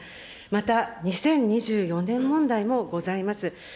また、２０２４年問題もございます。